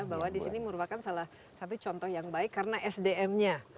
bahwa di sini merupakan salah satu contoh yang baik karena sdm nya